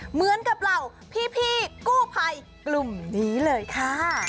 เหมือนกับเราพี่กู้ภัยกลุ่มนี้เลยค่ะ